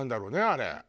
あれ。